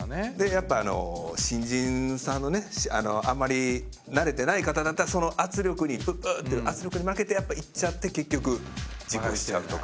やっぱ新人さんのねあんまり慣れてない方だったらその圧力に「プップッ」っていう圧力に負けてやっぱ行っちゃって結局事故しちゃうとか。